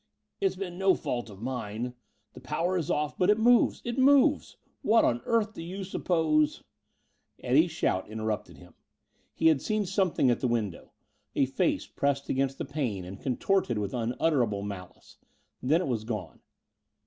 "It's been no fault of mine. The power is off but it moves it moves. What on earth do you suppose " Eddie's shout interrupted him. He had seen something at the window: a face pressed against the pane and contorted with unutterable malice. Then it was gone.